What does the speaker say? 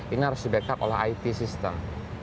ini harus di backup oleh it system